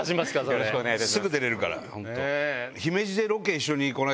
よろしくお願いします。